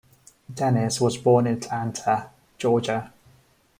Dennis was born in Atlanta, Georgia.